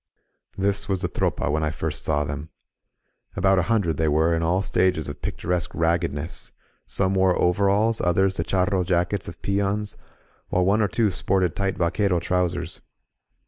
This was the Tropa when I first saw them. About a hundred, they were, in all stages of picturesque rag^ gedness; some wore overalls, others the charro jackets of peons, while one or two sported tight vaquero trou sers.